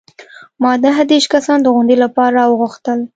ما نهه دیرش کسان د غونډې لپاره راوغوښتل.